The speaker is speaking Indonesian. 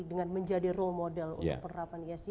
dengan menjadi role model untuk penerapan esg